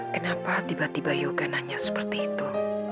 kenapa tiba tiba yogan hanya seperti itu